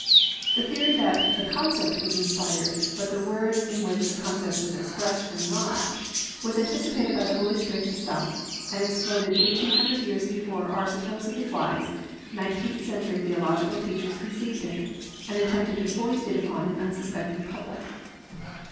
The theory that "the concept" was inspired but the words in which the concept was expressed were not, was anticipated by the Holy Spirit Himself and exploded 1800 years before our supposedly wise 19th century theological teachers conceived it, and attempted to foist it upon an unsuspecting public.